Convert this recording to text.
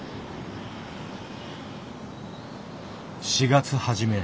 ４月初め。